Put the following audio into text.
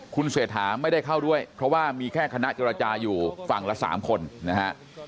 คุณเศรษฐาไม่ได้เข้าด้วยเพราะว่ามีแค่คณะเจรจาอยู่ฝั่งละ๓คนนะฮะ